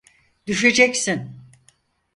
Düşeceksin!